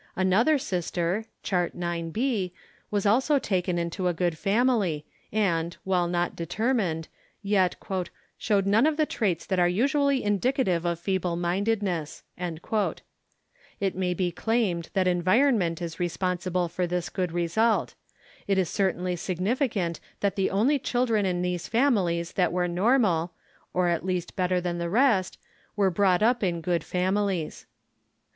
Another sister (Chart IX b) was also taken into a good family and, while not determined, yet "showed none of the traits that are usually indicative of feeble mindedness." It may be claimed that environment is responsible for this good result. It is certainly significant that the only children in these families that were normal, or at least better than the rest, were brought up in good families.